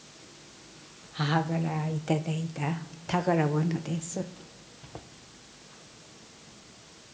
母から頂いた宝物です。